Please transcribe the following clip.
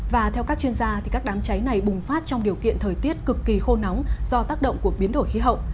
và theo các chuyên gia các đám cháy này bùng phát trong điều kiện thời tiết cực kỳ khô nóng do tác động của biến đổi khí hậu